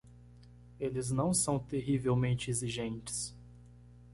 Eles não são terrivelmente exigentes.